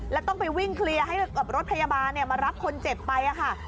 แล้วต้องไปวิ่งเคลียร์ให้กับรถพยาบาลมารับคนเจ็บไปค่ะ